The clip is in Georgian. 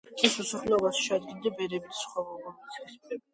მის მოსახლეობას შეადგენენ ბერები და სხვა მამრობითი სქესის პირები.